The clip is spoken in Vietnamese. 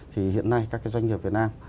thì hiện nay các cái doanh nghiệp việt nam